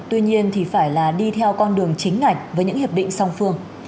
tuy nhiên thì phải là đi theo con đường chính ngạch với những hiệp định song phương